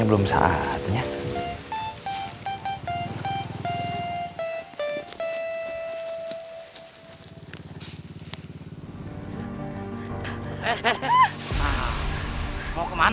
ya aku mau ke pasar cihidung